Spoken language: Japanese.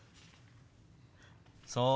そう。